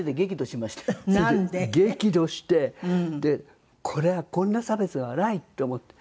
激怒してこれはこんな差別はないと思って。